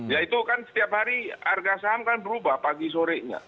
ya itu kan setiap hari harga saham kan berubah pagi sorenya